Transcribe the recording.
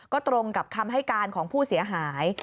ก็ตรงกับคำให้การของผู้เสียหาย